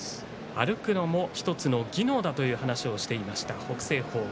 歩くのも１つの技能だと言っていました、北青鵬です。